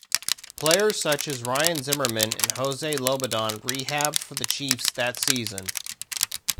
Players such as Ryan Zimmerman and Jose Lobaton rehabbed for the Chiefs that season.